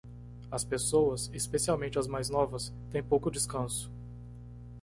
As pessoas, especialmente as mais novas, têm pouco descanso.